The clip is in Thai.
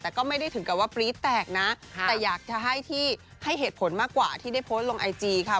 แต่ก็ไม่ได้ถึงกับว่าปรี๊ดแตกนะแต่อยากจะให้ที่ให้เหตุผลมากกว่าที่ได้โพสต์ลงไอจีค่ะ